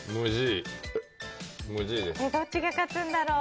どっちが勝つんだろう。